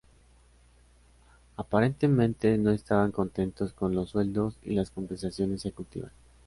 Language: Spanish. Aparentemente no estaban contentos con los sueldos y las compensaciones ejecutivas.